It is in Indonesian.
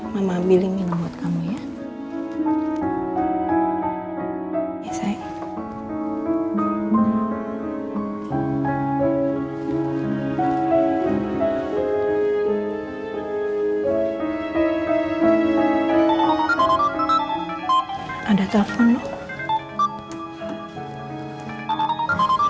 mama ambilin minum buat kamu ya